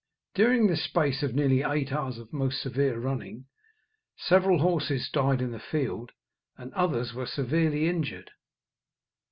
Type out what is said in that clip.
During this space of nearly eight hours of most severe running, several horses died in the field, and others were severely injured.